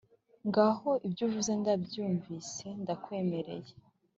Ngaho ibyo uvuze ndabyumvise, ndakwemereye.